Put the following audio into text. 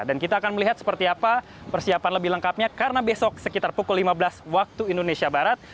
dan kita akan melihat seperti apa persiapan lebih lengkapnya karena besok sekitar pukul lima belas waktu indonesia barat